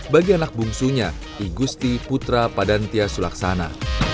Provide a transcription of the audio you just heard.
bagi anak bungsunya igusti putra padantia sulaksana